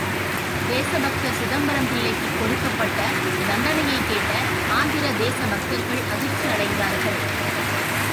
தேசபக்தர் சிதம்பரம் பிள்ளைக்குக் கொடுக்கப்பட்ட தண்டனையைக் கேட்ட ஆந்திர தேசபக்தர்கள் அதிர்ச்சி அடைந்தார்கள்.